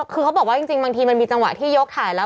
คือเขาบอกว่าจริงบางทีมันมีจังหวะที่ยกถ่ายแล้ว